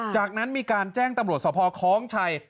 จากนั้นมีการแจ้งตำรวจสภคล้องชัย